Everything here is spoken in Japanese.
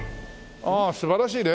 ああ素晴らしいね。